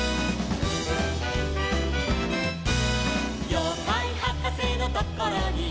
「ようかいはかせのところに」